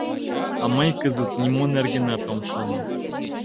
— А мый кызыт нимо нергенат ом шоно.